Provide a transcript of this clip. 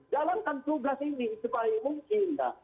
jalankan tugas ini sebaik mungkin